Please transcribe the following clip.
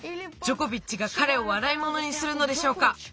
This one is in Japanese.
ジョコビッチがかれをわらいものにするのでしょうか？